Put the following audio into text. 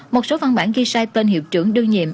một số văn bản ghi sai tên hiệu trưởng đương nhiệm